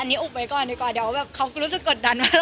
อันนี้อุบไว้ก่อนดีกว่าเดี๋ยวเขารู้สึกกดดันมาหน่อย